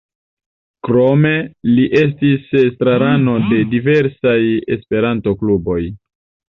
Krome li estis estrarano de diversaj Esperanto-kluboj.